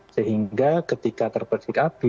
sehingga ketika terpercik api